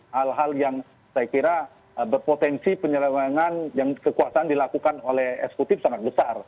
hal hal yang saya kira berpotensi penyelewengan yang kekuasaan dilakukan oleh eksekutif sangat besar